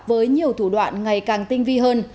với nhiều thủ đoạn ngày càng tinh vi hơn